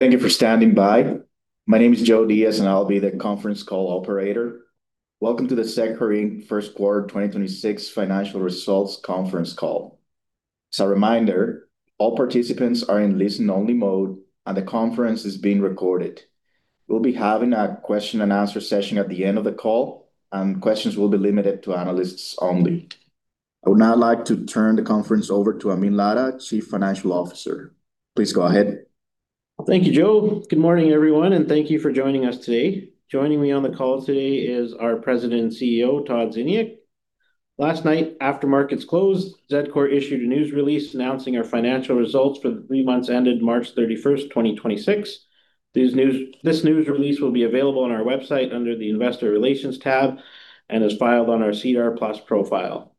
Thank you for standing by. My name is Joe Diaz, and I'll be the conference call operator. Welcome to the Zedcor Inc. First Quarter 2026 Financial Results Conference Call. As a reminder, all participants are in listen-only mode, and the conference is being recorded. We'll be having a question-and-answer session at the end of the call, and questions will be limited to analysts only. I would now like to turn the conference over to Amin Ladha, Chief Financial Officer. Please go ahead. Thank you, Joe. Good morning, everyone, and thank you for joining us today. Joining me on the call today is our President and CEO, Todd Ziniuk. Last night, after markets closed, Zedcor issued a news release announcing our financial results for the three months ended March 31st, 2026. This news release will be available on our website under the Investor Relations tab and is filed on our SEDAR+ profile.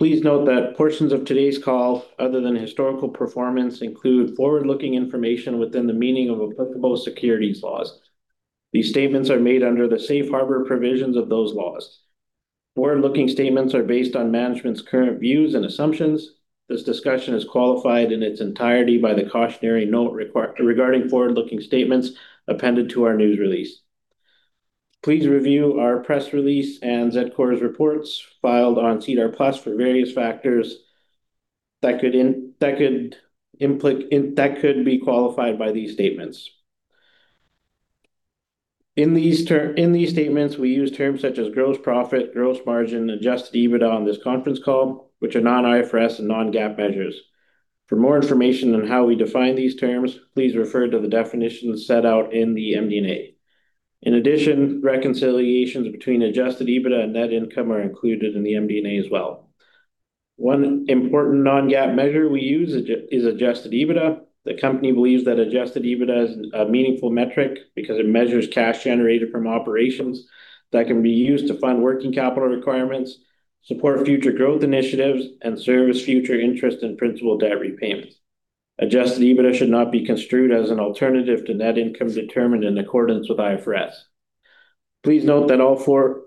Please note that portions of today's call, other than historical performance, include forward-looking information within the meaning of applicable securities laws. These statements are made under the Safe Harbor provisions of those laws. Forward-looking statements are based on management's current views and assumptions. This discussion is qualified in its entirety by the cautionary note regarding forward-looking statements appended to our news release. Please review our press release and Zedcor's reports filed on SEDAR+ for various factors that could be qualified by these statements. In these statements, we use terms such as gross profit, gross margin, and adjusted EBITDA on this conference call, which are non-IFRS and non-GAAP measures. For more information on how we define these terms, please refer to the definitions set out in the MD&A. In addition, reconciliations between adjusted EBITDA and net income are included in the MD&A as well. One important non-GAAP measure we use is adjusted EBITDA. The company believes that adjusted EBITDA is a meaningful metric because it measures cash generated from operations that can be used to fund working capital requirements, support future growth initiatives, and service future interest and principal debt repayments. Adjusted EBITDA should not be construed as an alternative to net income determined in accordance with IFRS. Please note that all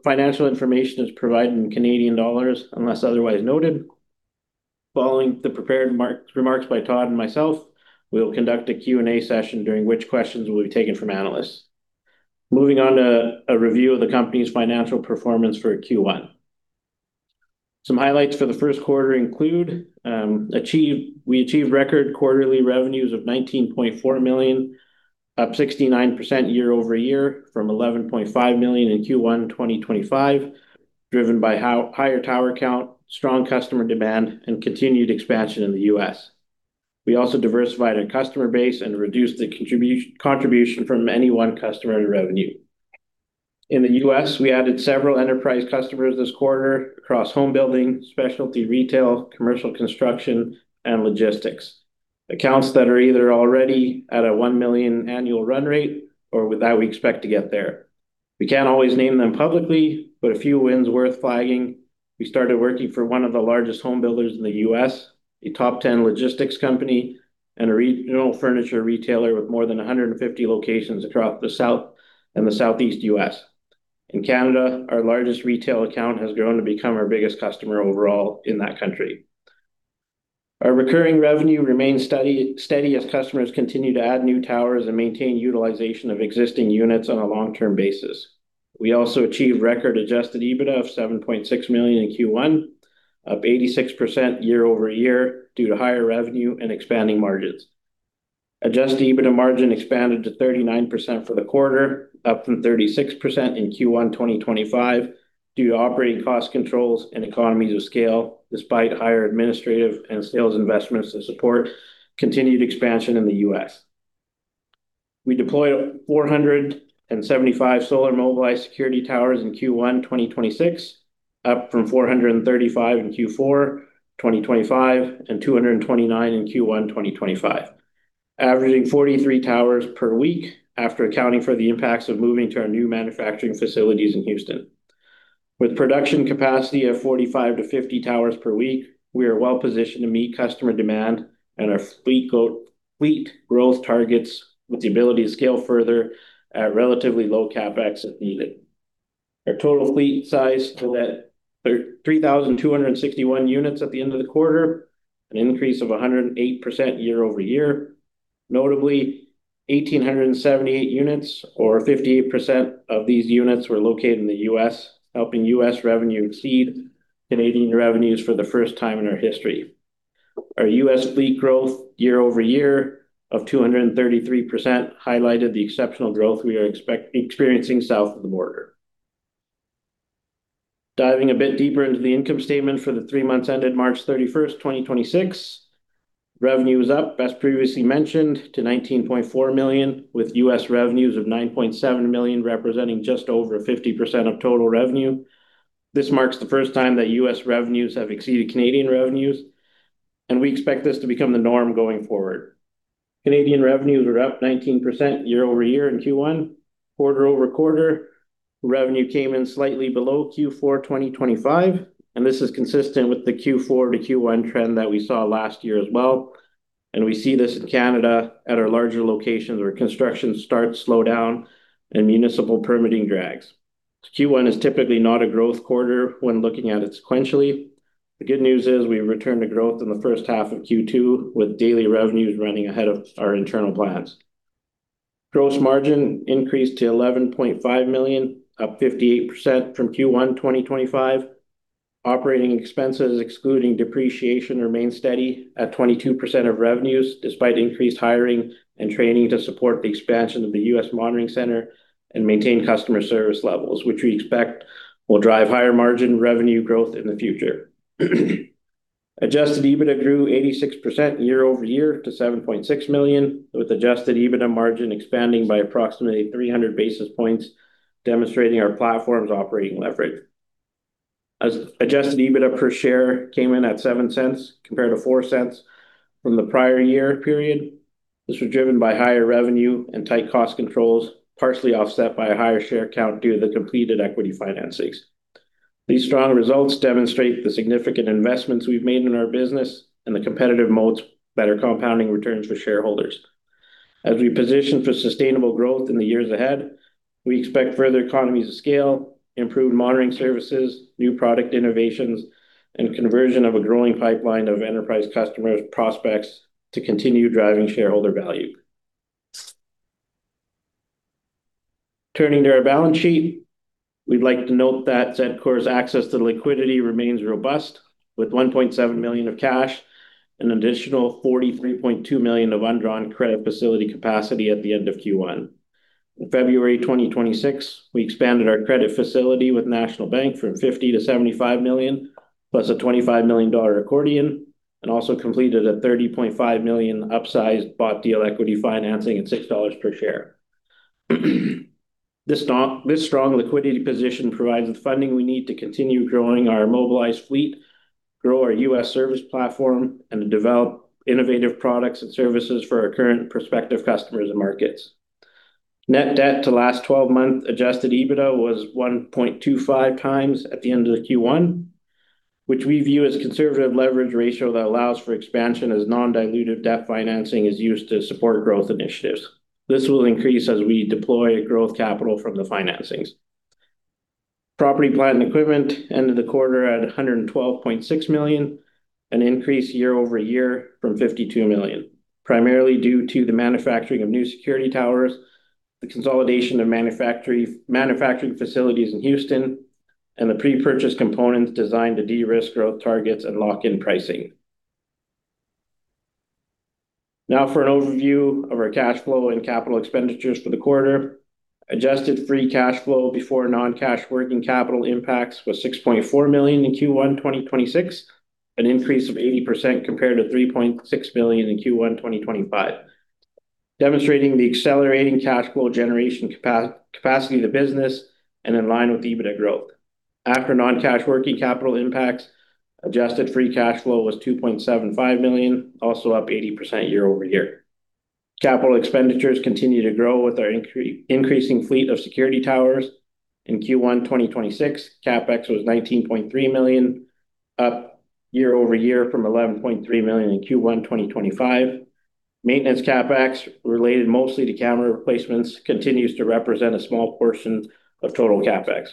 financial information is provided in Canadian dollars, unless otherwise noted. Following the prepared remarks by Todd and myself, we will conduct a Q&A session during which questions will be taken from analysts. Moving on to a review of the company's financial performance for Q1. Some highlights for the first quarter include, we achieved record quarterly revenues of 19.4 million, up 69% year-over-year from 11.5 million in Q1 2025, driven by higher tower count, strong customer demand, and continued expansion in the U.S. We also diversified our customer base and reduced the contribution from any one customer revenue. In the U.S., we added several enterprise customers this quarter across home building, specialty retail, commercial construction, and logistics. Accounts that are either already at a 1 million annual run-rate or that we expect to get there. We can't always name them publicly, but a few wins worth flagging. We started working for one of the largest home builders in the U.S., a top 10 logistics company, and a regional furniture retailer with more than 150 locations across the South and the Southeast U.S. In Canada, our largest retail account has grown to become our biggest customer overall in that country. Our recurring revenue remains steady as customers continue to add new towers and maintain utilization of existing units on a long-term basis. We also achieved record adjusted EBITDA of 7.6 million in Q1, up 86% year-over-year due to higher revenue and expanding margins. Adjusted EBITDA margin expanded to 39% for the quarter, up from 36% in Q1 2025 due to operating cost controls and economies of scale despite higher administrative and sales investments to support continued expansion in the U.S. We deployed 475 Solar MobileyeZ security towers in Q1 2026, up from 435 in Q4 2025 and 229 in Q1 2025, averaging 43 towers per week after accounting for the impacts of moving to our new manufacturing facilities in Houston. With production capacity of 45 to 50 towers per week, we are well positioned to meet customer demand and our fleet growth targets with the ability to scale further at relatively low CapEx if needed. Our total fleet size to that 3,261 units at the end of the quarter, an increase of 108% year-over-year. Notably, 1,878 units or 58% of these units were located in the U.S., helping U.S. revenue exceed Canadian revenues for the first time in our history. Our U.S. fleet growth year-over-year of 233% highlighted the exceptional growth we are experiencing south of the border. Diving a bit deeper into the income statement for the three months ended March 31st, 2026. Revenue is up, as previously mentioned, to 19.4 million, with U.S. revenues of 9.7 million representing just over 50% of total revenue. This marks the first time that U.S. revenues have exceeded Canadian revenues, we expect this to become the norm going forward. Canadian revenues are up 19% year-over-year in Q1. Quarter-over-quarter, revenue came in slightly below Q4 2025, this is consistent with the Q4 to Q1 trend that we saw last year as well. We see this in Canada at our larger locations where construction starts slow down and municipal permitting drags. Q1 is typically not a growth quarter when looking at it sequentially. The good news is we returned to growth in the first half of Q2 with daily revenues running ahead of our internal plans. Gross margin increased to 11.5 million, up 58% from Q1 2025. Operating expenses, excluding depreciation, remained steady at 22% of revenues, despite increased hiring and training to support the expansion of the U.S. monitoring center and maintain customer service levels, which we expect will drive higher margin revenue growth in the future. Adjusted EBITDA grew 86% year-over-year to 7.6 million, with adjusted EBITDA margin expanding by approximately 300 basis points, demonstrating our platform's operating leverage. As adjusted, EBITDA per share came in at 0.07 compared to 0.04 from the prior year period. This was driven by higher revenue and tight cost controls, partially offset by a higher share count due to the completed equity financings. These strong results demonstrate the significant investments we've made in our business and the competitive moats that are compounding returns for shareholders. As we position for sustainable growth in the years ahead, we expect further economies of scale, improved monitoring services, new product innovations, and conversion of a growing pipeline of enterprise customer prospects to continue driving shareholder value. Turning to our balance sheet, we'd like to note that Zedcor's access to liquidity remains robust, with 1.7 million of cash, an additional 43.2 million of undrawn credit facility capacity at the end of Q1. In February 2026, we expanded our credit facility with National Bank from 50 million to 75 million, plus a 25 million dollar accordion, and also completed a 30.5 million upsized bought deal equity financing at 6 dollars per share. This strong liquidity position provides the funding we need to continue growing our MobileyeZ fleet, grow our U.S. service platform, and to develop innovative products and services for our current prospective customers and markets. Net debt-to-last 12-month adjusted EBITDA was 1.25x at the end of the Q1, which we view as conservative leverage ratio that allows for expansion as non-dilutive debt financing is used to support growth initiatives. This will increase as we deploy growth capital from the financings. Property plant and equipment ended the quarter at 112.6 million, an increase year-over-year from 52 million, primarily due to the manufacturing of new security towers, the consolidation of manufacturing facilities in Houston, and the pre-purchase components designed to de-risk growth targets and lock-in pricing. For an overview of our cash flow and capital expenditures for the quarter. Adjusted free cash flow before non-cash working capital impacts was 6.4 million in Q1 2026, an increase of 80% compared to 3.6 million in Q1 2025, demonstrating the accelerating cash flow generation capacity of the business and in line with EBITDA growth. After non-cash working capital impacts, adjusted free cash flow was 2.75 million, also up 80% year-over-year. Capital expenditures continue to grow with our increasing fleet of security towers. In Q1 2026, CapEx was 19.3 million, up year-over-year from 11.3 million in Q1 2025. Maintenance CapEx, related mostly to camera replacements, continues to represent a small portion of total CapEx.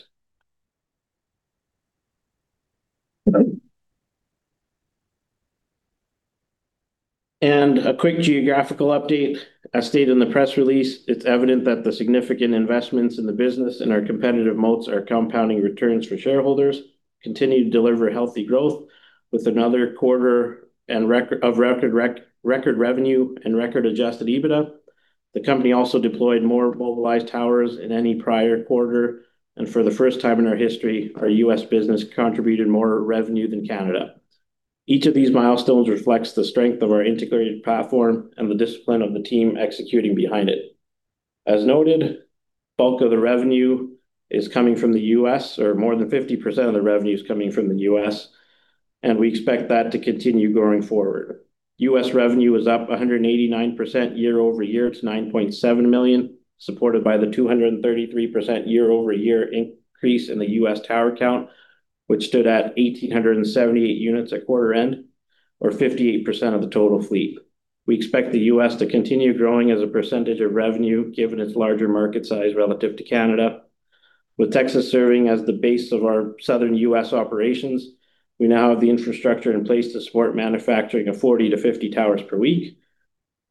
A quick geographical update. As stated in the press release, it's evident that the significant investments in the business and our competitive moats are compounding returns for shareholders, continue to deliver healthy growth with another quarter of record revenue and record adjusted EBITDA. The company also deployed more mobilized towers in any prior quarter, and for the first time in our history, our U.S. business contributed more revenue than Canada. Each of these milestones reflects the strength of our integrated platform and the discipline of the team executing behind it. As noted, bulk of the revenue is coming from the U.S., or more than 50% of the revenue is coming from the U.S., and we expect that to continue going forward. U.S. revenue was up 189% year-over-year to 9.7 million, supported by the 233% year-over-year increase in the U.S. tower count, which stood at 1,878 units at quarter end or 58% of the total fleet. We expect the U.S. to continue growing as a percentage of revenue, given its larger market size relative to Canada. With Texas serving as the base of our Southern U.S. operations, we now have the infrastructure in place to support manufacturing of 40 to 50 towers per week.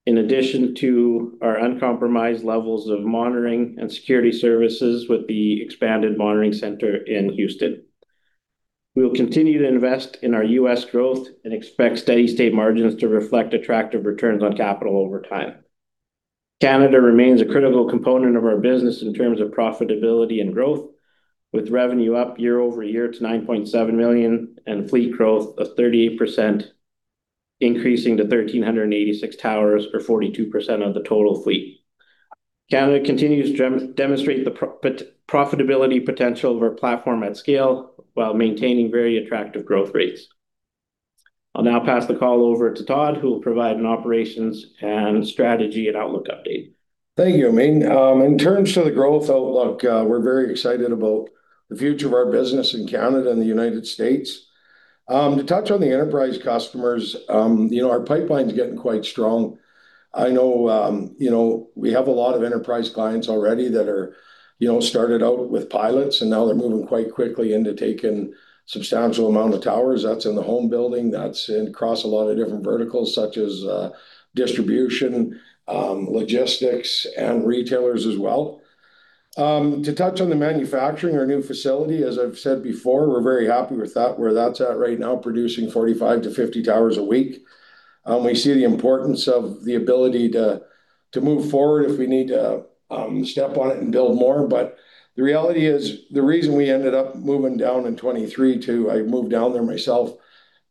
In addition to our uncompromised levels of monitoring and security services with the expanded monitoring center in Houston. We will continue to invest in our U.S. growth and expect steady state margins to reflect attractive returns on capital over time. Canada remains a critical component of our business in terms of profitability and growth, with revenue up year-over-year to 9.7 million and fleet growth of 38%, increasing to 1,386 towers or 42% of the total fleet. Canada continues to demonstrate the profitability potential of our platform at scale while maintaining very attractive growth rates. I'll now pass the call over to Todd, who will provide an operations and strategy and outlook update. Thank you Amin. In terms of the growth outlook, we're very excited about the future of our business in Canada and the United States. To touch on the enterprise customers, our pipeline's getting quite strong. I know we have a lot of enterprise clients already that started out with pilots, and now they're moving quite quickly into taking substantial amount of towers. That's in the home building, that's across a lot of different verticals such as distribution, logistics, and retailers as well. To touch on the manufacturing, our new facility, as I've said before, we're very happy with where that's at right now, producing 45-50 towers a week. We see the importance of the ability to move forward if we need to step on it and build more. The reality is, the reason we ended up moving down in 2023, I moved down there myself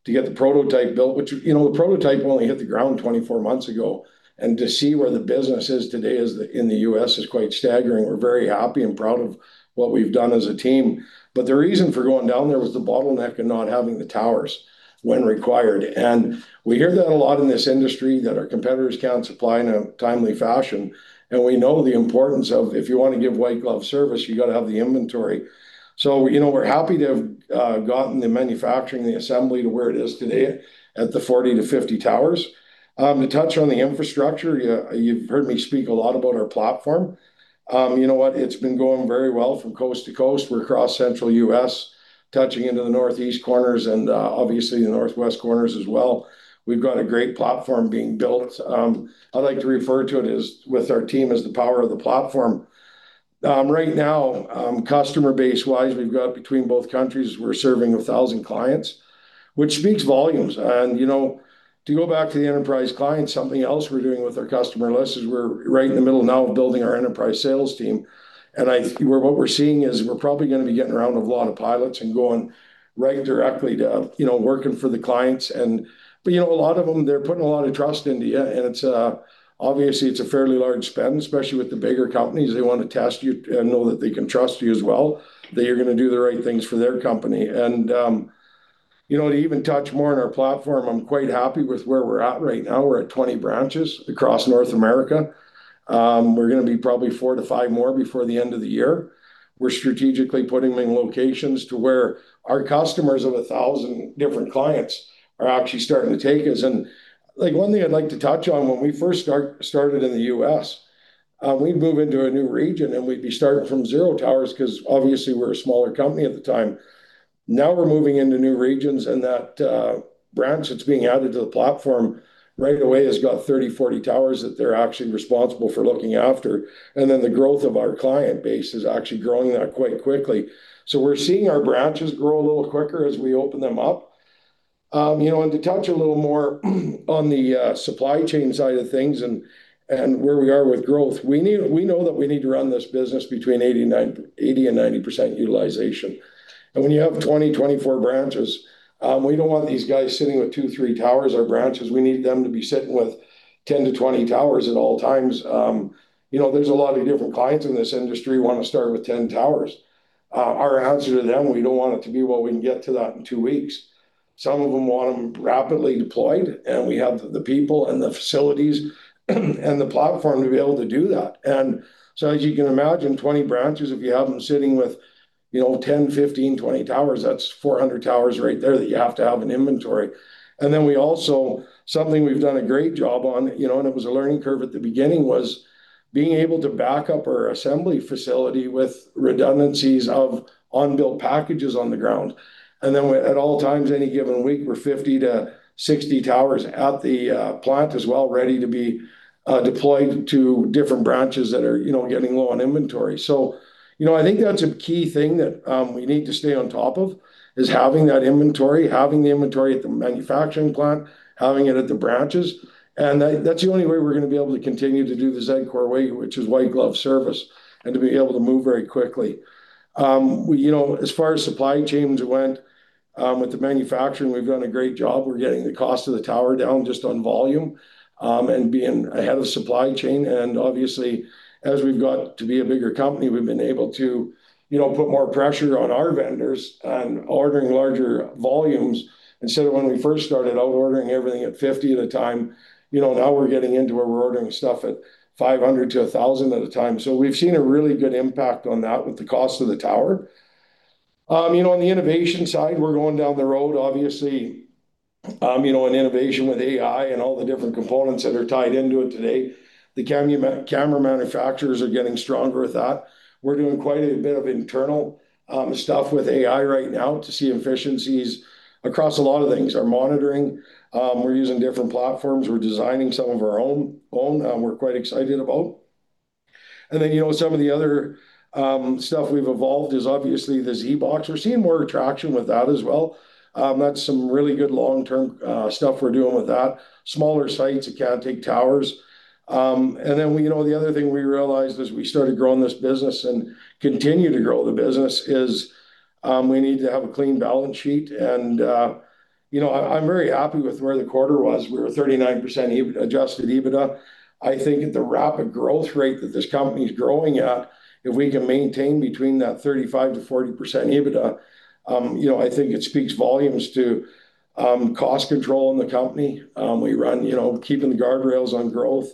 to get the prototype built. The prototype only hit the ground 24 months ago, to see where the business is today in the U.S. is quite staggering. We're very happy and proud of what we've done as a team. The reason for going down there was the bottleneck and not having the towers when required. We hear that a lot in this industry that our competitors can't supply in a timely fashion. We know the importance of if you want to give white glove service, you got to have the inventory. We're happy to have gotten the manufacturing, the assembly to where it is today at the 40 to 50 towers. To touch on the infrastructure, you've heard me speak a lot about our platform. You know what? It's been going very well from coast-to-coast. We're across Central U.S., touching into the Northeast corners and, obviously, the Northwest corners as well. We've got a great platform being built. I like to refer to it with our team as the power of the platform. Right now, customer base wise, we've got between both countries, we're serving 1,000 clients, which speaks volumes. To go back to the enterprise clients, something else we're doing with our customer list is we're right in the middle now of building our enterprise sales team. What we're seeing is we're probably going to be getting around a lot of pilots and going right directly to working for the clients. A lot of them, they're putting a lot of trust in you, and obviously, it's a fairly large spend, especially with the bigger companies. They want to test you and know that they can trust you as well, that you're going to do the right things for their company. To even touch more on our platform, I'm quite happy with where we're at right now. We're at 20 branches across North America. We're going to be probably four to five more before the end of the year. We're strategically putting locations to where our customers of 1,000 different clients are actually starting to take us. One thing I'd like to touch on, when we first started in the U.S., we'd move into a new region, and we'd be starting from zero towers because obviously we're a smaller company at the time. Now we're moving into new regions and that branch that's being added to the platform right away has got 30 towers-40 towers that they're actually responsible for looking after. The growth of our client base is actually growing that quite quickly. We're seeing our branches grow a little quicker as we open them up. To touch a little more on the supply chain side of things and where we are with growth, we know that we need to run this business between 80%-90% utilization. When you have 20-24 branches, we don't want these guys sitting with two to three towers or branches. We need them to be sitting with 10-20 towers at all times. There's a lot of different clients in this industry want to start with 10 towers. Our answer to them, we don't want it to be, Well, we can get to that in two weeks. Some of them want them rapidly deployed, and we have the people and the facilities and the platform to be able to do that. As you can imagine, 20 branches, if you have them sitting with 10, 15, 20 towers, that's 400 towers right there that you have to have in inventory. Something we've done a great job on, and it was a learning curve at the beginning, was being able to back up our assembly facility with redundancies of unbuilt packages on the ground. At all times, any given week, we're 50-60 towers at the plant as well, ready to be deployed to different branches that are getting low on inventory. I think that's a key thing that we need to stay on top of, is having that inventory, having the inventory at the manufacturing plant, having it at the branches. That's the only way we're going to be able to continue to do the Zedcor way, which is white glove service, and to be able to move very quickly. As far as supply chains went, with the manufacturing, we've done a great job. We're getting the cost of the tower down just on volume, and being ahead of supply chain. Obviously, as we've got to be a bigger company, we've been able to put more pressure on our vendors on ordering larger volumes. Instead of when we first started out ordering everything at 50 at a time, now we're getting into where we're ordering stuff at 500 to 1,000 at a time. We've seen a really good impact on that with the cost of the tower. On the innovation side, we're going down the road, obviously, an innovation with AI and all the different components that are tied into it today. The camera manufacturers are getting stronger with that. We're doing quite a bit of internal stuff with AI right now to see efficiencies across a lot of things. Our monitoring, we're using different platforms. We're designing some of our own we're quite excited about. Some of the other stuff we've evolved is obviously the ZBox. We're seeing more traction with that as well. That's some really good long-term stuff we're doing with that. Smaller sites, it can take towers. The other thing we realized as we started growing this business and continue to grow the business is we need to have a clean balance sheet. I'm very happy with where the quarter was. We were 39% adjusted EBITDA. I think at the rapid growth rate that this company's growing at, if we can maintain between that 35%-40% EBITDA, I think it speaks volumes to cost control in the company. Keeping the guardrails on growth,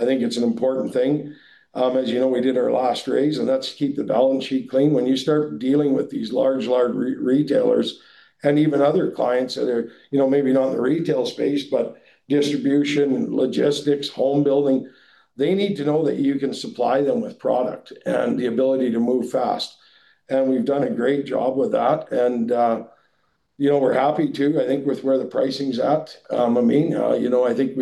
I think it's an important thing. As you know, we did our last raise, that's to keep the balance sheet clean. When you start dealing with these large retailers and even other clients that are maybe not in the retail space, but distribution, logistics, home building, they need to know that you can supply them with product and the ability to move fast. We've done a great job with that. We're happy too, I think with where the pricing is at. Amin, I think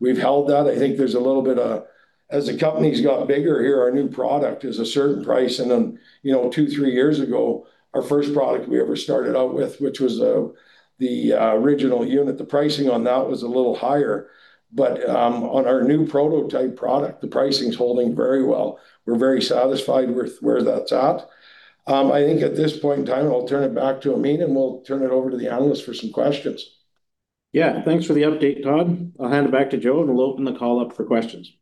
we've held that. I think there's a little bit of, as the company's got bigger here, our new product is a certain price. Then two to three years ago, our first product we ever started out with, which was the original unit, the pricing on that was a little higher. On our new prototype product, the pricing is holding very well. We're very satisfied with where that's at. I think at this point in time, I'll turn it back to Amin, we'll turn it over to the analyst for some questions. Yeah. Thanks for the update, Todd. I'll hand it back to Joe, and we'll open the call up for questions.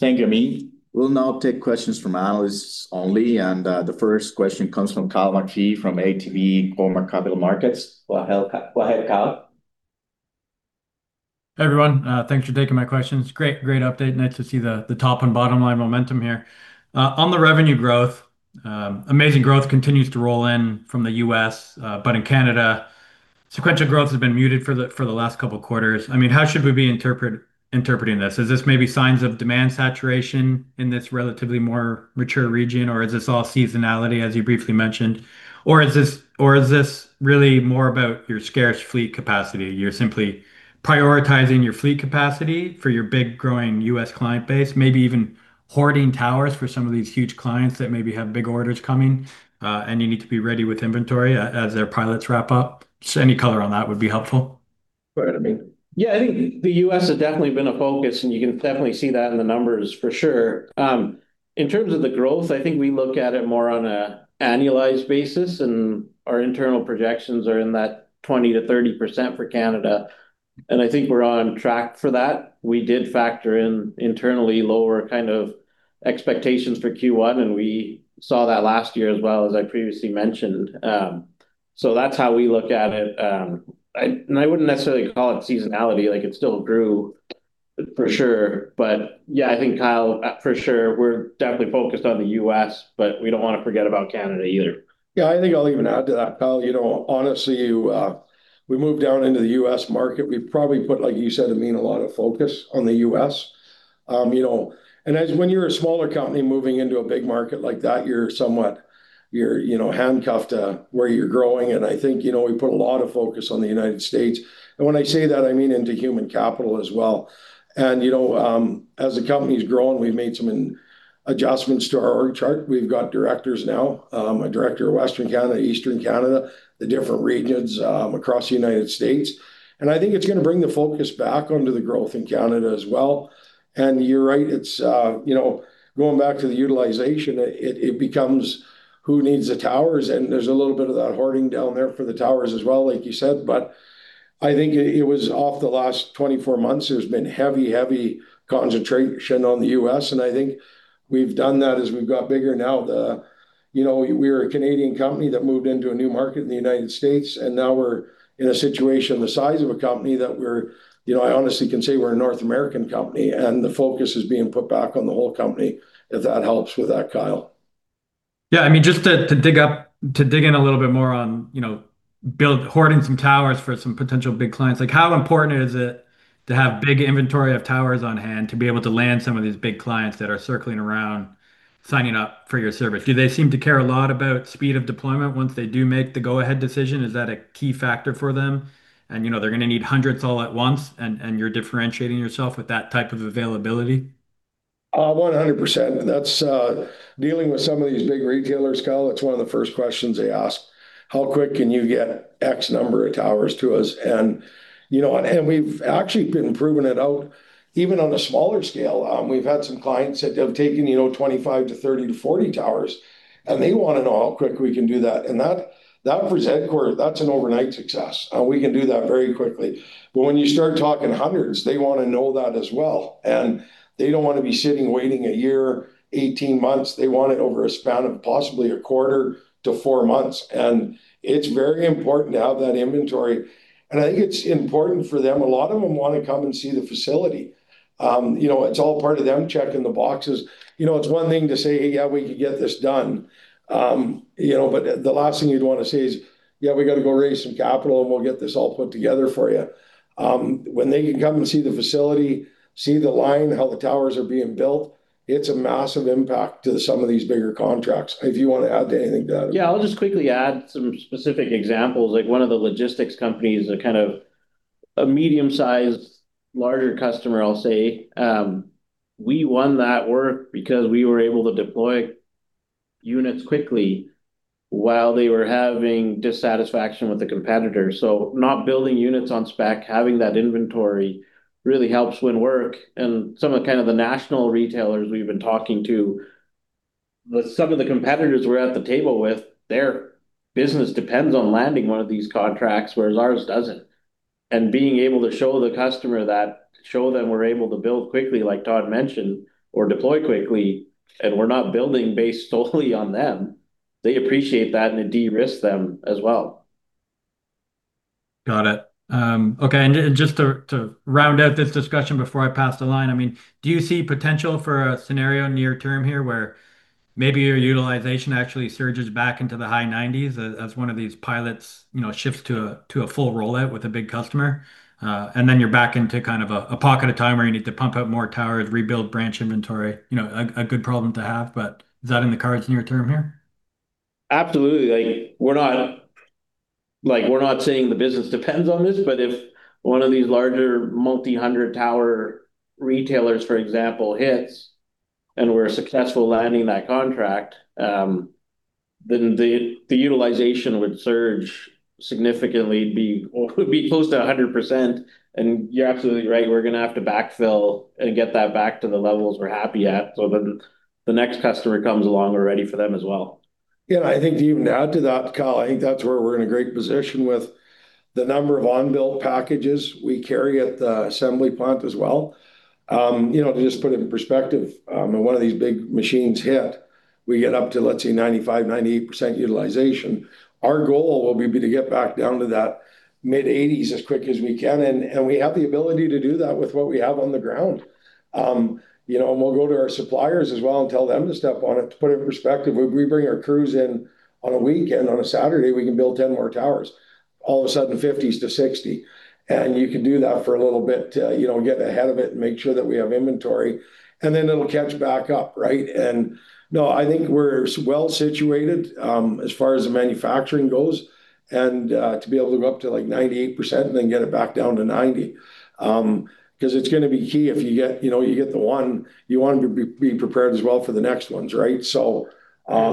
Thank you, Amin. We'll now take questions from analysts only, and the first question comes from Kyle McPhee from ATB Cormark Capital Markets. Go ahead, Kyle. Hey, everyone. Thanks for taking my questions. Great update. Nice to see the top and bottom line momentum here. On the revenue growth, amazing growth continues to roll in from the U.S., but in Canada, sequential growth has been muted for the last couple of quarters. How should we be interpreting this? Is this maybe signs of demand saturation in this relatively more mature region, or is this all seasonality as you briefly mentioned, or is this really more about your scarce fleet capacity? You're simply prioritizing your fleet capacity for your big growing U.S. client base, maybe even hoarding towers for some of these huge clients that maybe have big orders coming, and you need to be ready with inventory as their pilots wrap up. Any color on that would be helpful. Go ahead, Amin. Yeah, I think the U.S. has definitely been a focus, and you can definitely see that in the numbers for sure. In terms of the growth, I think we look at it more on an annualized basis, our internal projections are in that 20%-30% for Canada, and I think we're on track for that. We did factor in internally lower kind of expectations for Q1, and we saw that last year as well, as I previously mentioned. That's how we look at it. I wouldn't necessarily call it seasonality, like it still grew, for sure. Yeah, I think Kyle, for sure, we're definitely focused on the U.S., but we don't want to forget about Canada either. Yeah, I think I'll even add to that, Kyle. Honestly, we moved down into the U.S. market. We've probably put, like you said Amin, a lot of focus on the U.S. As when you're a smaller company moving into a big market like that, you're somewhat handcuffed to where you're growing, and I think we put a lot of focus on the United States. When I say that, I mean into human capital as well. As the company's grown, we've made some adjustments to our org chart. We've got directors now, a director of Western Canada, Eastern Canada, the different regions across the United States, and I think it's going to bring the focus back onto the growth in Canada as well. You're right, it's going back to the utilization, it becomes who needs the towers, and there's a little bit of that hoarding down there for the towers as well, like you said. I think it was off the last 24 months, there's been heavy concentration on the U.S., and I think we've done that as we've got bigger now. We're a Canadian company that moved into a new market in the United States. Now we're in a situation the size of a company that we're, I honestly can say we're a North American company. The focus is being put back on the whole company, if that helps with that, Kyle. Yeah. Just to dig in a little bit more on hoarding some towers for some potential big clients. How important is it to have big inventory of towers on hand to be able to land some of these big clients that are circling around signing up for your service? Do they seem to care a lot about speed of deployment once they do make the go-ahead decision? Is that a key factor for them? They're going to need hundreds all at once, and you're differentiating yourself with that type of availability. 100%. That's dealing with some of these big retailers, Kyle. It's one of the first questions they ask, How quick can you get X number of towers to us? We've actually been proving it out even on a smaller scale. We've had some clients that have taken 25 to 30 to 40 towers, and they want to know how quick we can do that. That for Zedcor, that's an overnight success. We can do that very quickly. When you start talking hundreds, they want to know that as well, and they don't want to be sitting waiting a year, 18 months. They want it over a span of possibly a quarter to four months. It's very important to have that inventory. I think it's important for them. A lot of them want to come and see the facility. It's all part of them checking the boxes. It's one thing to say, Hey, yeah, we can get this done. The last thing you'd want to say is, Yeah, we got to go raise some capital, and we'll get this all put together for you. When they can come and see the facility, see the line, how the towers are being built, it's a massive impact to some of these bigger contracts. If you want to add anything to that. I'll just quickly add some specific examples. One of the logistics companies, a kind of a medium-sized larger customer, I'll say. We won that work because we were able to deploy units quickly while they were having dissatisfaction with the competitor. Not building units on spec, having that inventory really helps win work. Some of the kind of the national retailers we've been talking to, some of the competitors we're at the table with, their business depends on landing one of these contracts, whereas ours doesn't. Being able to show the customer that, show them we're able to build quickly, like Todd mentioned, or deploy quickly, and we're not building based solely on them. They appreciate that, and it de-risks them as well. Got it. Okay, just to round out this discussion before I pass the line. Do you see potential for a scenario near term here where maybe your utilization actually surges back into the high 90%s as one of these pilots shifts to a full rollout with a big customer? Then you're back into kind of a pocket of time where you need to pump out more towers, rebuild branch inventory, a good problem to have, but is that in the cards near term here? Absolutely. We're not saying the business depends on this, but if one of these larger multi-hundred tower retailers, for example, hits and we're successful landing that contract, then the utilization would surge significantly, would be close to 100%. You're absolutely right, we're going to have to backfill and get that back to the levels we're happy at, so that when the next customer comes along, we're ready for them as well. I think to even add to that, Kyle, I think that's where we're in a great position with the number of unbuilt packages we carry at the assembly plant as well. To just put it in perspective, and one of these big machines hit, we get up to, let's say, 95%-98% utilization. Our goal will be to get back down to that mid-80%s as quick as we can, and we have the ability to do that with what we have on the ground. We'll go to our suppliers as well and tell them to step on it. To put it in perspective, we bring our crews in on a weekend, on a Saturday, we can build 10 more towers, all of a sudden 50 to 60. You can do that for a little bit, get ahead of it and make sure that we have inventory, then it'll catch back up, right? No, I think we're well-situated as far as the manufacturing goes and to be able to go up to 98% and then get it back down to 90%. Because it's going to be key if you get the one, you want to be prepared as well for the next ones, right? You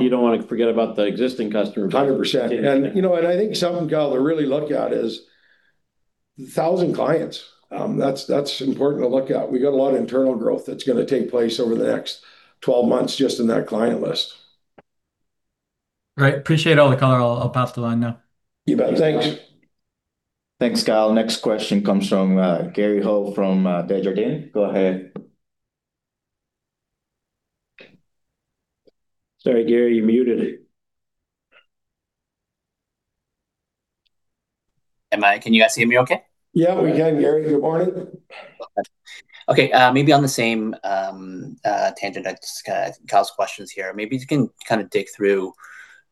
don't want to forget about the existing customers. 100%. I think something, Kyle, to really look at is 1,000 clients. That's important to look at. We got a lot of internal growth that's going to take place over the next 12 months just in that client list. Right. Appreciate all the color. I'll pass the line now. You bet. Thanks. Thanks, Kyle. Next question comes from Gary Ho from Desjardins. Go ahead. Sorry, Gary, you're muted. Am I? Can you guys hear me okay? Yeah, we can, Gary. Good morning. Okay. Maybe on the same tangent as Kyle's questions here. Maybe you can dig through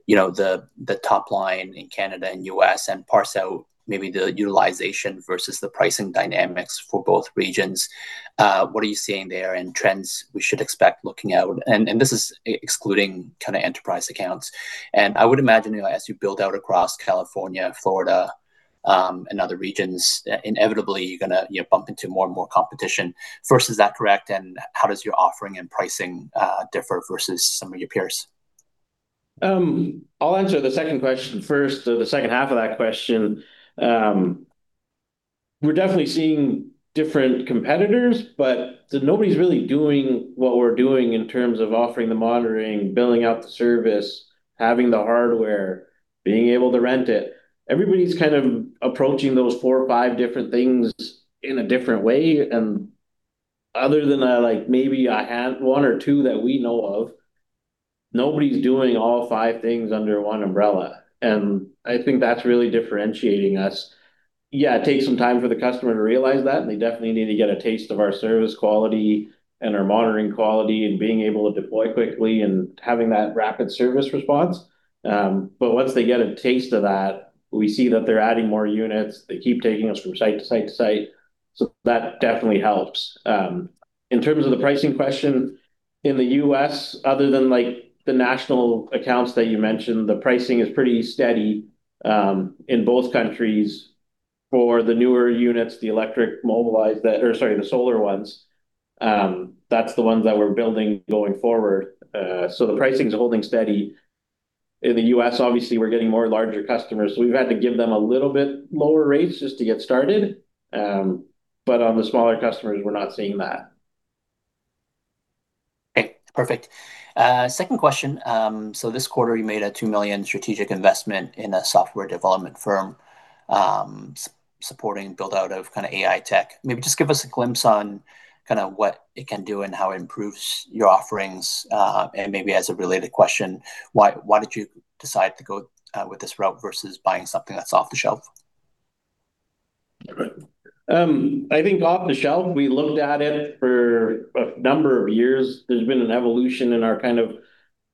the top line in Canada and U.S. and parse out maybe the utilization versus the pricing dynamics for both regions. What are you seeing there and trends we should expect looking out? This is excluding enterprise accounts. I would imagine as you build out across California, Florida, and other regions, inevitably, you're going to bump into more and more competition. First, is that correct, and how does your offering and pricing differ versus some of your peers? I'll answer the second question first. The second half of that question. We're definitely seeing different competitors, but nobody's really doing what we're doing in terms of offering the monitoring, billing out the service, having the hardware, being able to rent it. Everybody's approaching those four or five different things in a different way. Other than maybe a hand, one or two that we know of, nobody's doing all five things under one umbrella, and I think that's really differentiating us. Yeah, it takes some time for the customer to realize that, and they definitely need to get a taste of our service quality and our monitoring quality and being able to deploy quickly and having that rapid service response. Once they get a taste of that, we see that they're adding more units. They keep taking us from site-to-site-to-site. That definitely helps. In terms of the pricing question, in the U.S., other than the national accounts that you mentioned, the pricing is pretty steady in both countries for the newer units, the electric MobileyeZ that or, sorry, the solar ones. That's the ones that we're building going forward. The pricing is holding steady. In the U.S., obviously, we're getting more larger customers. We've had to give them a little bit lower rates just to get started. On the smaller customers, we're not seeing that. Okay, perfect. Second question. This quarter, you made a 2 million strategic investment in a software development firm supporting build-out of AI tech. Maybe just give us a glimpse on what it can do and how it improves your offerings. Maybe as a related question, why did you decide to go with this route versus buying something that's off the shelf? Okay. I think off the shelf, we looked at it for a number of years. There's been an evolution in our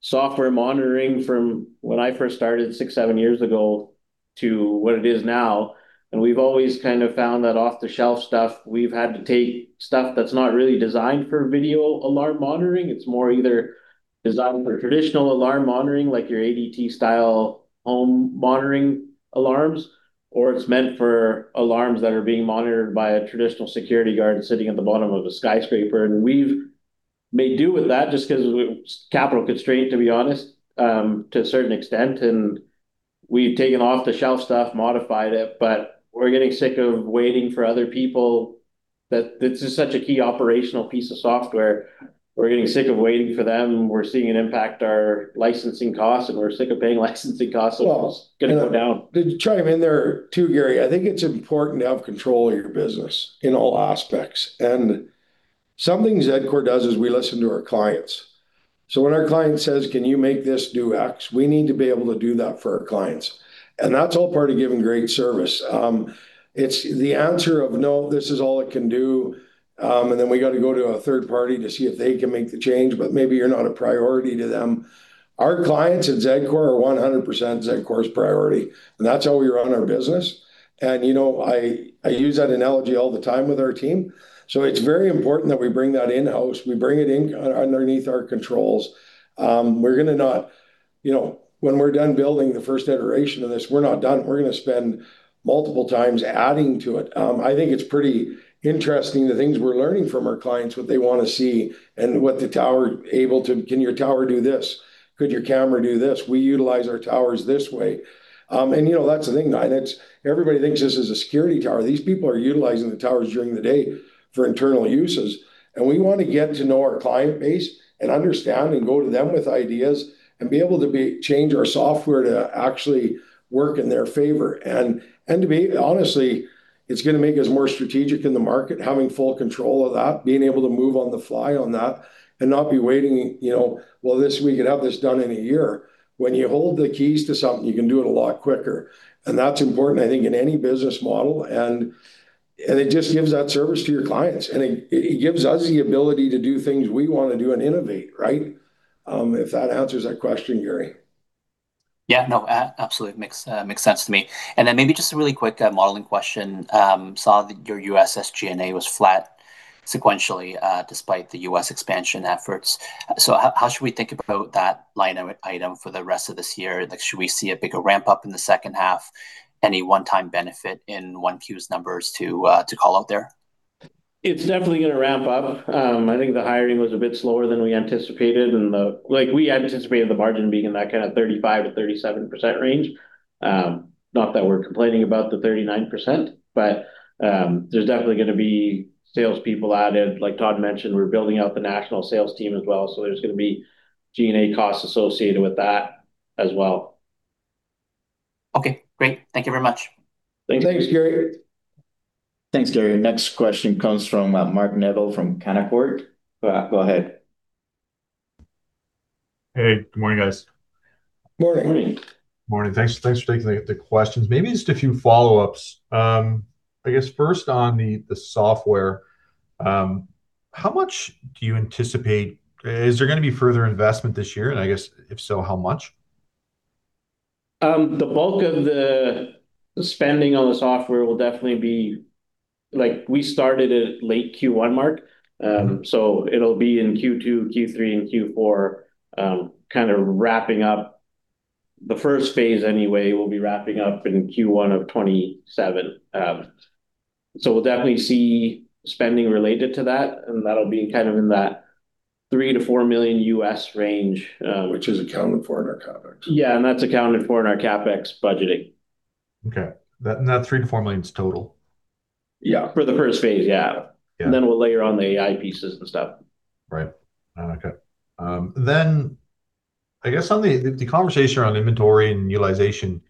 software monitoring from when I first started six, seven years ago to what it is now. We've always found that off-the-shelf stuff, we've had to take stuff that's not really designed for video alarm monitoring. It's more either designed for traditional alarm monitoring, like your ADT style home monitoring alarms, or it's meant for alarms that are being monitored by a traditional security guard sitting at the bottom of a skyscraper. We've made do with that just because of capital constraint, to be honest, to a certain extent, and we've taken off-the-shelf stuff, modified it, but we're getting sick of waiting for other people that this is such a key operational piece of software. We're getting sick of waiting for them. We're seeing an impact our licensing costs, and we're sick of paying licensing costs. Well- it's going to go down. To chime in there too, Gary, I think it's important to have control of your business in all aspects. Something Zedcor does is we listen to our clients. When our client says, Can you make this do X? We need to be able to do that for our clients. That's all part of giving great service. It's the answer of, No, this is all it can do. We got to go to a third party to see if they can make the change, maybe you're not a priority to them. Our clients at Zedcor are 100% Zedcor's priority, that's how we run our business. I use that analogy all the time with our team. It's very important that we bring that in-house. We bring it in underneath our controls. When we're done building the first iteration of this, we're not done. We're going to spend multiple times adding to it. I think it's pretty interesting the things we're learning from our clients, what they want to see. Can your tower do this? Could your camera do this? We utilize our towers this way. That's the thing, everybody thinks this is a security tower. These people are utilizing the towers during the day for internal uses. We want to get to know our client base and understand and go to them with ideas and be able to change our software to actually work in their favor. To me, honestly, it's going to make us more strategic in the market, having full control of that, being able to move on the fly on that and not be waiting, Well, this week, and have this done in a year. When you hold the keys to something, you can do it a lot quicker. That's important, I think, in any business model. It just gives that service to your clients, and it gives us the ability to do things we want to do and innovate, right? If that answers that question, Gary. Yeah, no. Absolutely. Makes sense to me. Maybe just a really quick modeling question. Saw that your U.S. SG&A was flat sequentially, despite the U.S. expansion efforts. How should we think about that line item for the rest of this year? Should we see a bigger ramp-up in the second half? Any one-time benefit in 1Q's numbers to call out there? It's definitely going to ramp-up. I think the hiring was a bit slower than we anticipated and we anticipated the margin being in that kind of 35%-37% range. Not that we're complaining about the 39%, but there's definitely going to be salespeople added. Like Todd mentioned, we're building out the national sales team as well, so there's going to be G&A costs associated with that as well. Okay, great. Thank you very much. Thank you. Thanks, Gary. Thanks, Gary. Next question comes from Mark Neville from Canaccord. Go ahead. Hey, good morning, guys. Morning. Morning. Morning. Thanks for taking the questions. Maybe just a few follow-ups. I guess first on the software. Is there going to be further investment this year? I guess if so, how much? The bulk of the spending on the software will definitely be. We started it late Q1, Mark. It'll be in Q2, Q3, and Q4, kind of wrapping up the first phase, anyway. We'll be wrapping up in Q1 of 2027. We'll definitely see spending related to that, and that'll be in that $3 million-$4 million U.S. range. Which is accounted for in our CapEx. Yeah, that's accounted for in our CapEx budgeting. Okay. That $3 million-$4 million is total? Yeah, for the first phase. Yeah. Yeah. Then we'll layer on the AI pieces and stuff. Right. Okay. I guess on the conversation around inventory and utilization,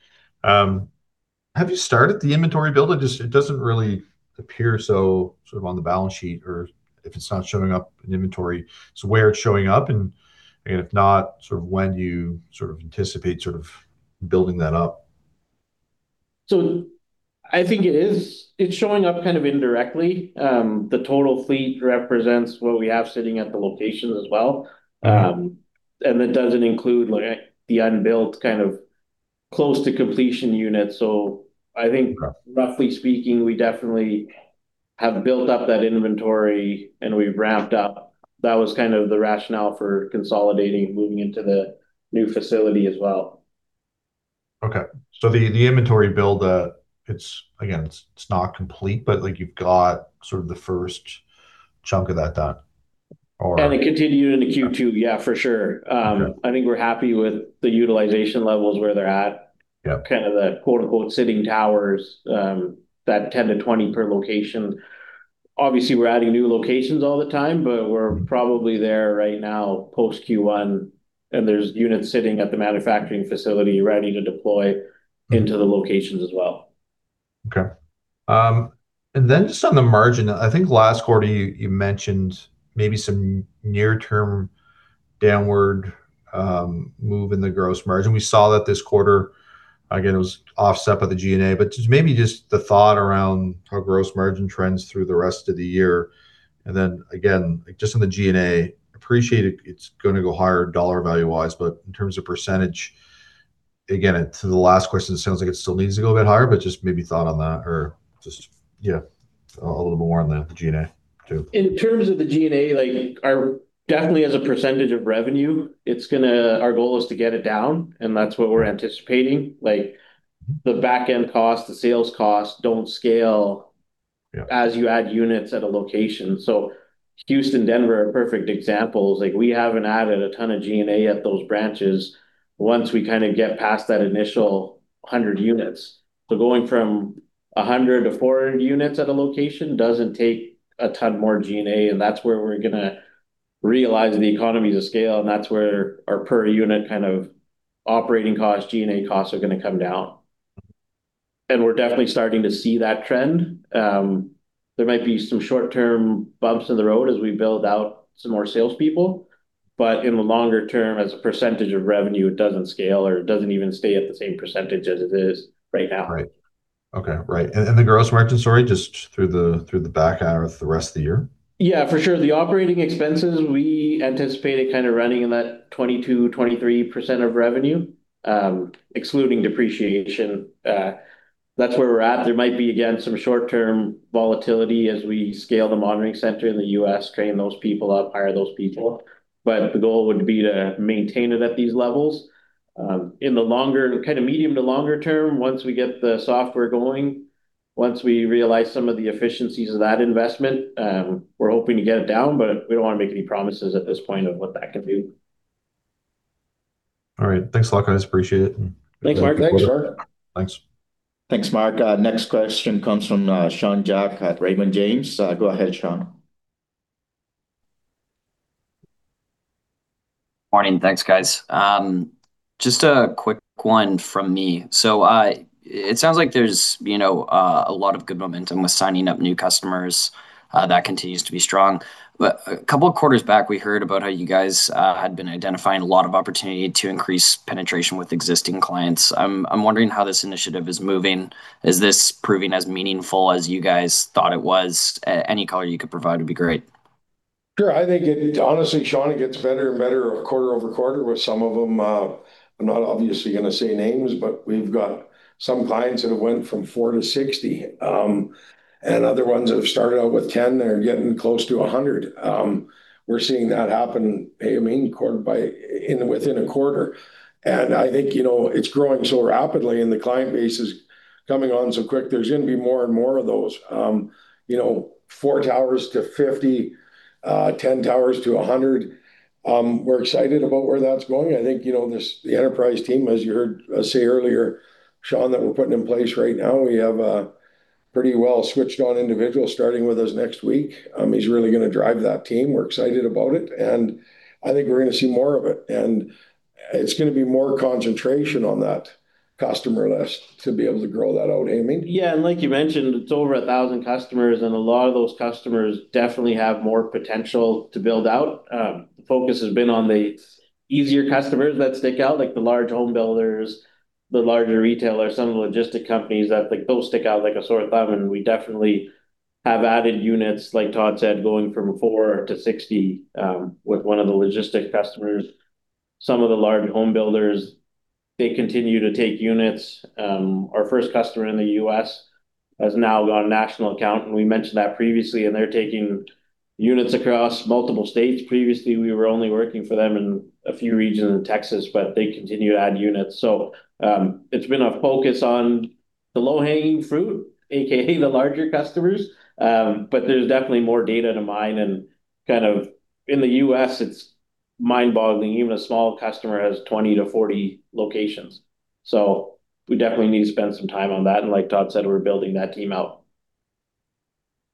have you started the inventory build? It doesn't really appear so on the balance sheet, or if it's not showing up in inventory. Where it's showing up and, if not, when do you anticipate building that up? I think it's showing up kind of indirectly. The total fleet represents what we have sitting at the locations as well. It doesn't include the unbuilt kind of close-to-completion units. Right roughly speaking, we definitely have built up that inventory, and we've ramped up. That was kind of the rationale for consolidating and moving into the new facility as well. Okay. The inventory build, again, it's not complete, but you've got sort of the first chunk of that done. It continued into Q2. Yeah, for sure. Yeah. I think we're happy with the utilization levels where they're at. Yeah. Kind of the quote-unquote sitting towers that 10 to 20 per location. Obviously, we're adding new locations all the time, but we're probably there right now post Q1, and there's units sitting at the manufacturing facility ready to deploy into the locations as well. Okay. Just on the margin, I think last quarter you mentioned maybe some near-term downward move in the gross margin. We saw that this quarter, again, it was offset by the G&A, but just maybe just the thought around how gross margin trends through the rest of the year. Again, just on the G&A, appreciate it's going to go higher dollar value-wise, but in terms of percentage, again, to the last question, it sounds like it still needs to go a bit higher, but just maybe thought on that or just a little bit more on the G&A too. In terms of the G&A, definitely as a percentage of revenue, our goal is to get it down, and that's what we're anticipating. The back-end cost, the sales cost don't scale. Yeah as you add units at a location. Houston, Denver are perfect examples. We haven't added a ton of G&A at those branches once we kind of get past that initial 100 units. Going from 100 to 400 units at a location doesn't take a ton more G&A, and that's where we're going to realize the economies of scale, and that's where our per unit kind of operating cost, G&A costs are going to come down. We're definitely starting to see that trend. There might be some short-term bumps in the road as we build out some more salespeople, but in the longer term, as a percentage of revenue, it doesn't scale, or it doesn't even stay at the same percentage as it is right now. Right. Okay, right. The gross margin, sorry, just through the back half of the rest of the year. Yeah, for sure. The operating expenses, we anticipated kind of running in that 22%-23% of revenue, excluding depreciation. That's where we're at. There might be, again, some short-term volatility as we scale the monitoring center in the U.S., train those people up, hire those people. The goal would be to maintain it at these levels. In the medium to longer term, once we get the software going, once we realize some of the efficiencies of that investment, we're hoping to get it down, but we don't want to make any promises at this point of what that could do. All right. Thanks a lot, guys. Appreciate it. Thanks, Mark. Thanks, Mark. Thanks. Thanks, Mark. Next question comes from Sean Jack at Raymond James. Go ahead, Sean. Morning. Thanks, guys. Just a quick one from me. It sounds like there's a lot of good momentum with signing up new customers. That continues to be strong. A couple of quarters back, we heard about how you guys had been identifying a lot of opportunity to increase penetration with existing clients. I'm wondering how this initiative is moving. Is this proving as meaningful as you guys thought it was? Any color you could provide would be great. Sure. I think, honestly, Sean, it gets better and better quarter-over-quarter with some of them. I'm not obviously going to say names, but we've got some clients that have went from 4 to 60, and other ones that have started out with 10 that are getting close to 100. We're seeing that happen, hey, Amin, within a quarter. I think it's growing so rapidly and the client base is coming on so quick, there's going to be more and more of those. 4 towers to 50, 10 towers to 100. We're excited about where that's going. I think, the enterprise team, as you heard us say earlier, Sean, that we're putting in place right now, we have a pretty well switched on individual starting with us next week. He's really going to drive that team. We're excited about it, and I think we're going to see more of it, and it's going to be more concentration on that customer list to be able to grow that out, Amin. Like you mentioned, it's over 1,000 customers. A lot of those customers definitely have more potential to build out. The focus has been on the easier customers that stick out, like the large home builders, the larger retailers, some of the logistic companies. Those stick out like a sore thumb. We definitely have added units, like Todd said, going from 4 to 60, with one of the logistic customers. Some of the large home builders, they continue to take units. Our first customer in the U.S. has now gone national account. We mentioned that previously. They're taking units across multiple states. Previously, we were only working for them in a few regions in Texas. They continue to add units. It's been a focus on the low-hanging fruit, a.k.a., the larger customers. There's definitely more data to mine and in the U.S., it's mind-boggling. Even a small customer has 20 to 40 locations. We definitely need to spend some time on that, and like Todd said, we're building that team out.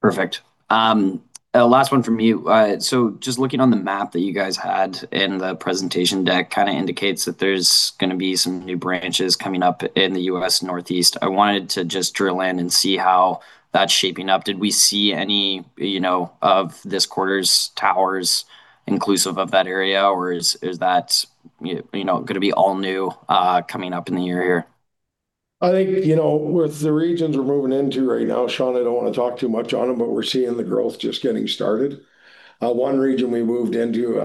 Perfect. Last one from me. Just looking on the map that you guys had in the presentation deck kind of indicates that there's going to be some new branches coming up in the U.S. Northeast. I wanted to just drill in and see how that's shaping up. Did we see any of this quarter's towers inclusive of that area, or is that going to be all new coming up in the year here? I think, with the regions we're moving into right now, Sean, I don't want to talk too much on them, but we're seeing the growth just getting started. One region we moved into,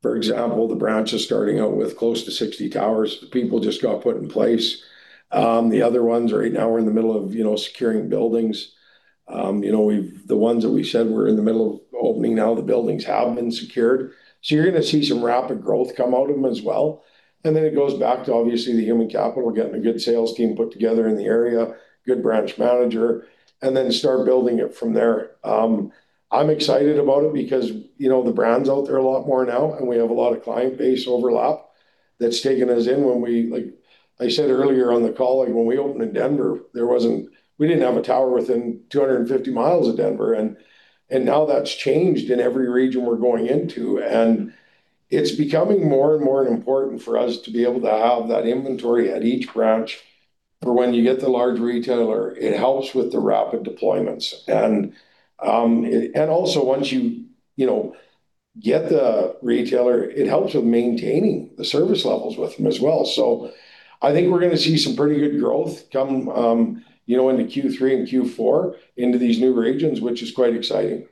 for example, the branch is starting out with close to 60 towers. People just got put in place. The other ones right now are in the middle of securing buildings. The ones that we said were in the middle of opening, now the buildings have been secured. You're going to see some rapid growth come out of them as well. It goes back to obviously the human capital, getting a good sales team put together in the area, good branch manager, and then start building it from there. I'm excited about it because the brand's out there a lot more now. We have a lot of client base overlap that's taken us in. Like I said earlier on the call, when we opened in Denver, we didn't have a tower within 250 mi of Denver, and now that's changed in every region we're going into. It's becoming more and more important for us to be able to have that inventory at each branch for when you get the large retailer. It helps with the rapid deployments. Also, once you get the retailer, it helps with maintaining the service levels with them as well. I think we're going to see some pretty good growth come into Q3 and Q4 into these new regions, which is quite exciting.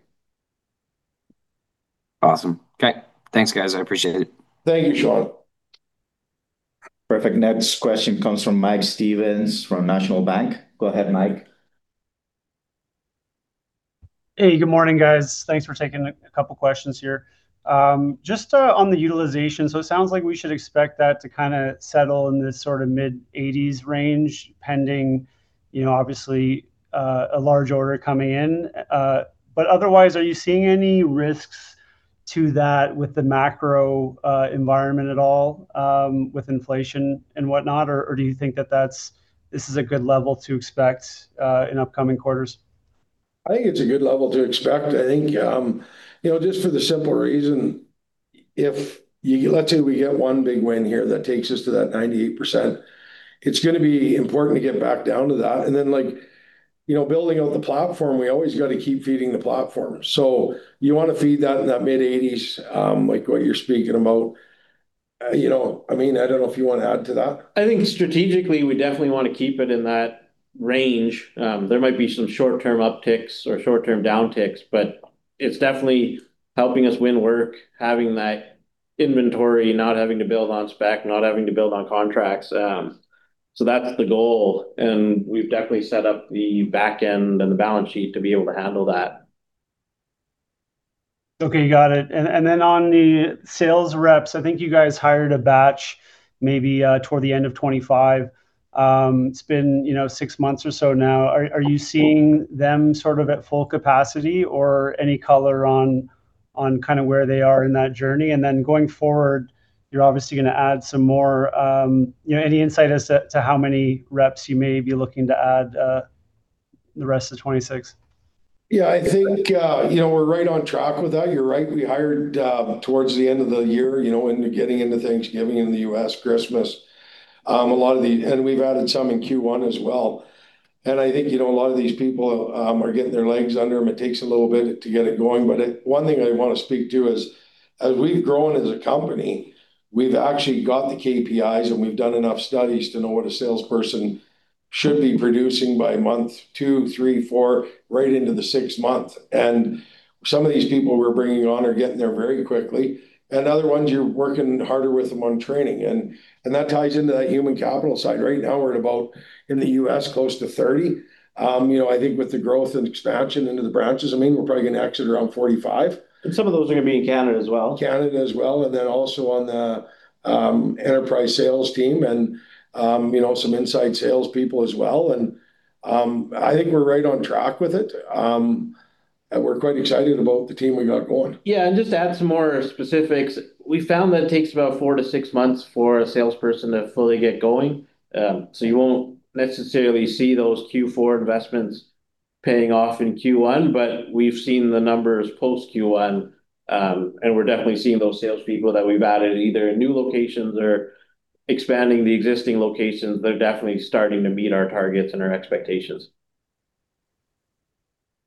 Awesome. Okay. Thanks, guys. I appreciate it. Thank you, Sean. Perfect. Next question comes from Mike Stevens from National Bank. Go ahead, Mike. Hey, good morning, guys. Thanks for taking a couple questions here. Just on the utilization, it sounds like we should expect that to settle in this sort of mid-80%s range, pending obviously, a large order coming in. Otherwise, are you seeing any risks to that with the macro environment at all, with inflation and whatnot? Do you think that this is a good level to expect in upcoming quarters? I think it's a good level to expect. I think, just for the simple reason, let's say we get one big win here that takes us to that 98%, it's going to be important to get back down to that. Building out the platform, we always got to keep feeding the platform. You want to feed that in that mid-80%s, like what you're speaking about. Amin, I don't know if you want to add to that. I think strategically, we definitely want to keep it in that range. There might be some short-term upticks or short-term downticks, but it's definitely helping us win work, having that inventory, not having to build on spec, not having to build on contracts. That's the goal, and we've definitely set up the back end and the balance sheet to be able to handle that. Okay, got it. On the sales reps, I think you guys hired a batch, maybe toward the end of 2025. It's been six months or so now. Are you seeing them sort of at full capacity or any color on where they are in that journey? Going forward, you're obviously going to add some more. Any insight as to how many reps you may be looking to add the rest of 2026? Yeah, I think we're right on track with that. You're right, we hired towards the end of the year, into getting into Thanksgiving in the U.S., Christmas. We've added some in Q1 as well. I think, a lot of these people are getting their legs under them. It takes a little bit to get it going, but one thing I want to speak to is, as we've grown as a company, we've actually got the KPIs, and we've done enough studies to know what a salesperson should be producing by month two, three, four, right into the sixth month. Some of these people we're bringing on are getting there very quickly, and other ones, you're working harder with them on training. That ties into that human capital side. Right now, we're at about, in the U.S., close to 30. I think with the growth and expansion into the branches, Amin, we're probably going to exit around 45. Some of those are going to be in Canada as well. Canada as well, and then also on the enterprise sales team and some inside salespeople as well. I think we're right on track with it. We're quite excited about the team we got going. Yeah, just to add some more specifics, we found that it takes about four to six months for a salesperson to fully get going. You won't necessarily see those Q4 investments paying off in Q1, but we've seen the numbers post Q1. We're definitely seeing those salespeople that we've added, either in new locations or expanding the existing locations. They're definitely starting to meet our targets and our expectations.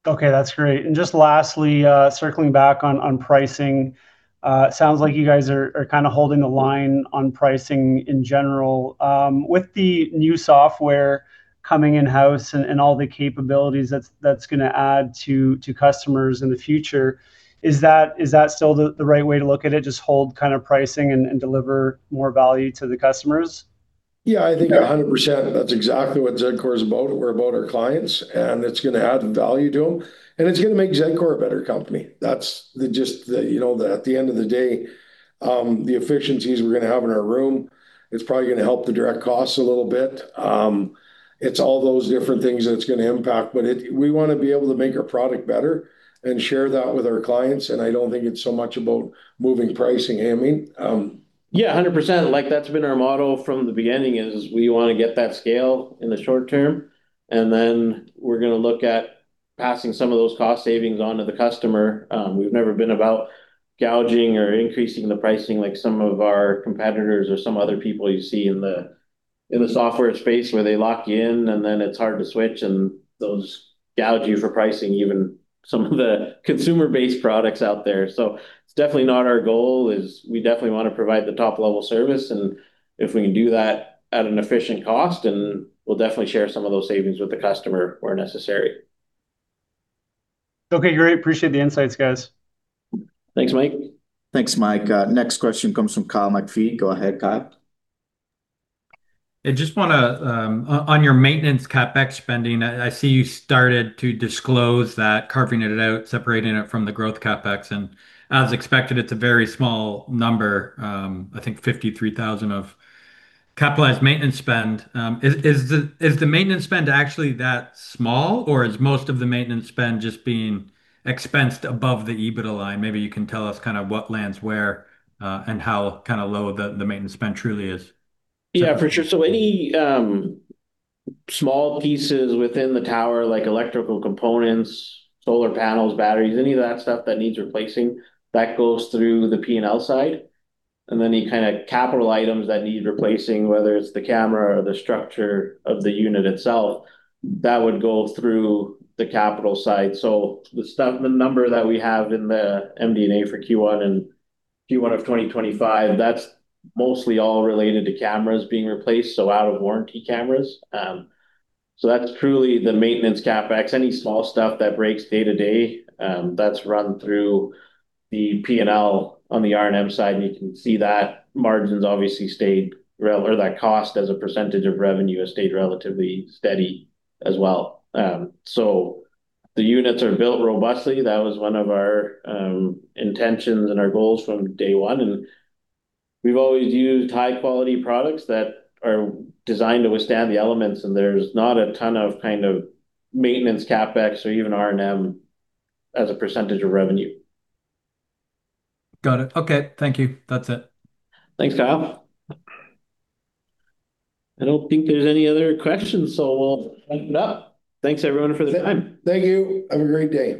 Okay, that's great. Just lastly, circling back on pricing. Sounds like you guys are kind of holding the line on pricing in general. With the new software coming in-house and all the capabilities that's going to add to customers in the future, is that still the right way to look at it, just hold pricing and deliver more value to the customers? Yeah, I think 100%. That's exactly what Zedcor is about. We're about our clients, and it's going to add value to them, and it's going to make Zedcor a better company. At the end of the day, the efficiencies we're going to have in our room, it's probably going to help the direct costs a little bit. It's all those different things that it's going to impact, but we want to be able to make our product better and share that with our clients, and I don't think it's so much about moving pricing. Amin? Yeah, 100%. That's been our motto from the beginning, is we want to get that scale in the short term, and then we're going to look at passing some of those cost savings on to the customer. We've never been about gouging or increasing the pricing like some of our competitors or some other people you see in the software space where they lock you in, and then it's hard to switch, and those gouge you for pricing, even some of the consumer-based products out there. It's definitely not our goal. We definitely want to provide the top-level service, and if we can do that at an efficient cost, then we'll definitely share some of those savings with the customer where necessary. Okay, great. Appreciate the insights, guys. Thanks, Mike. Thanks, Mike. Next question comes from Kyle McPhee. Go ahead, Kyle. On your maintenance CapEx spending, I see you started to disclose that, carving it out, separating it from the growth CapEx, and as expected, it's a very small number. I think 53,000 of capitalized maintenance spend. Is the maintenance spend actually that small, or is most of the maintenance spend just being expensed above the EBITDA line? Maybe you can tell us what lands where and how low the maintenance spend truly is. Yeah, for sure. Any small pieces within the tower, like electrical components, solar panels, batteries, any of that stuff that needs replacing, that goes through the P&L side. Any kind of capital items that need replacing, whether it's the camera or the structure of the unit itself, that would go through the capital side. The number that we have in the MD&A for Q1 and Q1 of 2025, that's mostly all related to cameras being replaced, so out-of-warranty cameras. That's truly the maintenance CapEx. Any small stuff that breaks day-to-day, that's run through the P&L on the R&M side, and you can see that margins obviously stayed relevant, or that cost as a percentage of revenue has stayed relatively steady as well. The units are built robustly. That was one of our intentions and our goals from day one, and we've always used high-quality products that are designed to withstand the elements, and there's not a ton of maintenance CapEx or even R&M as a percentage of revenue. Got it. Okay, thank you. That's it. Thanks, Kyle. I don't think there's any other questions, so we'll wrap it up. Thanks everyone for their time. Thank you. Have a great day.